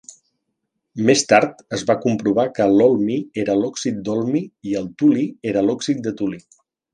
Més tard es va comprovar que l'holmi era l'òxid d'holmi i el tuli era l'òxid de tuli.